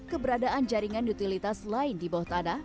keberadaan jaringan utilitas lain di bawah tanah